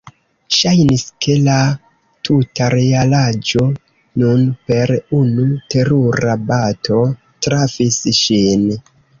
Ŝajnis, ke la tuta realaĵo nun per unu terura bato trafis ŝin.